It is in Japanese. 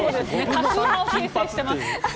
多数派を形成しています。